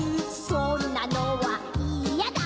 そんなのはいやだ！